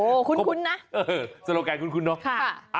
โอ้คุ้นนะสโลแกนคุ้นเนาะค่ะ